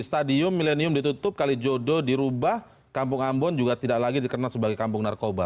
stadium milenium ditutup kalijodo dirubah kampung ambon juga tidak lagi dikenal sebagai kampung narkoba